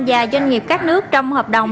và doanh nghiệp các nước trong hợp đồng